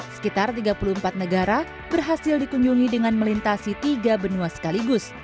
sekitar tiga puluh empat negara berhasil dikunjungi dengan melintasi tiga benua sekaligus